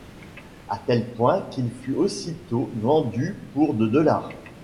À tel point qu'il fut aussitôt vendu pour de dollars.